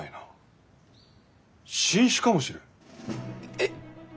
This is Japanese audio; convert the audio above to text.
えっ！